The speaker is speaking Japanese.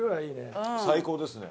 最高ですね。